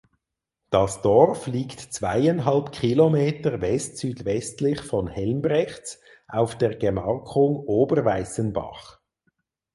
Das Dorf liegt zweieinhalb Kilometer westsüdwestlich von Helmbrechts auf der Gemarkung Oberweißenbach.